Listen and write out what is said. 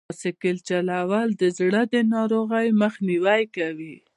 بایسکل چلول د زړه د ناروغیو مخنیوی کوي.